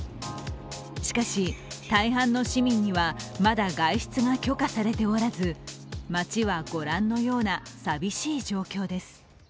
しかし、大半の市民にはまだ外出が許可されておらず、街は御覧のような寂しい状況です。